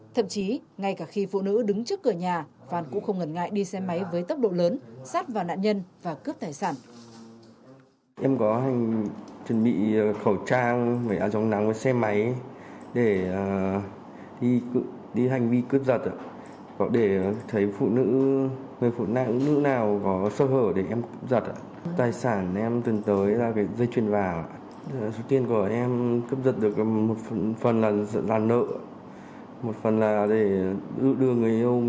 thậm chí ngay cả khi phụ nữ đứng trước cửa nhà phan cũng không ngần ngại đi xe máy với tốc độ lớn sát vào nạn nhân và cướp tài sản